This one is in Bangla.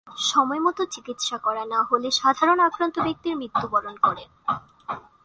সময়মতো চিকিৎসা করা না হলে সাধারণত আক্রান্ত ব্যক্তির মৃত্যুবরণ করে।